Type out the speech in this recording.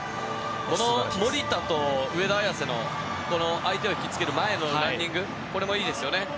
守田と上田綺世の相手を引きつける前のランニングこれもいいですよね。